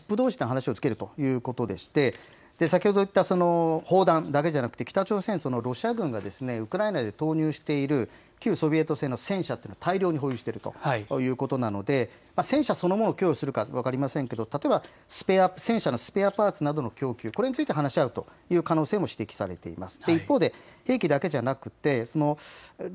ねらいは今言った軍事支援についてトップどうしで話をつけるということで先ほどいった砲弾だけではなく北朝鮮はロシア軍がウクライナに投入している旧ソビエト製の戦車というのを大量に保有しているということなので戦車そのものを供与するかは分かりませんが例えば、戦車のスペアパーツなどの供給、これについて話し合う可能性も指摘されています。